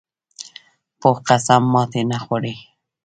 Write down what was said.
پوخ قسم ماتې نه خوري